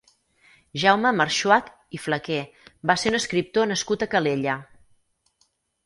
Jaume Marxuach i Flaquer va ser un escriptor nascut a Calella.